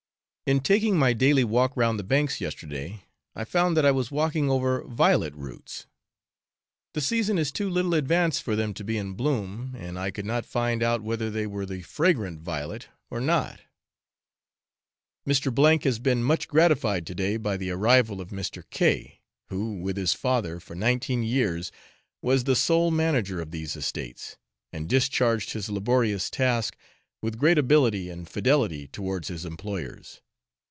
In taking my daily walk round the banks yesterday, I found that I was walking over violet roots. The season is too little advanced for them to be in bloom, and I could not find out whether they were the fragrant violet or not. Mr. has been much gratified to day by the arrival of Mr. K , who, with his father, for nineteen years was the sole manager of these estates, and discharged his laborious task with great ability and fidelity towards his employers.